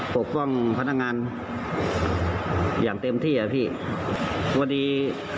ปกป้องพนักงานอย่างเต็มที่อ่ะพี่พอดี